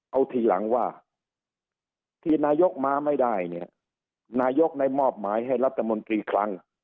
เอาทีหลังว่าที่นายกมาไม่ได้เนี่ยนายกได้มอบหมายให้รัฐมนตรีคลัง